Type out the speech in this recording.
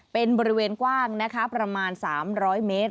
เป็นบริเวณกว้างนะคะประมาณ๓๐๐เมตร